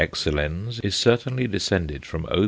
excellens_ is certainly descended from _O.